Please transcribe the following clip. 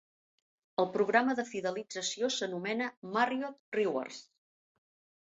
El programa de fidelització s'anomena Marriott Rewards.